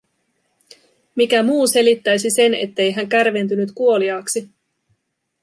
Mikä muu selittäisi sen, ettei hän kärventynyt kuoliaaksi?